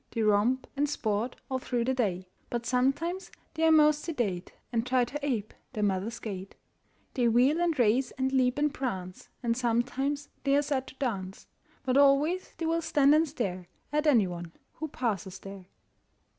They romp and sport all through the day, But sometimes they are most sedate And try to ape their mothers' gait. They wheel and race and leap and prance, And sometimes they are said to dance: But always they will stand and stare At anyone who passes there.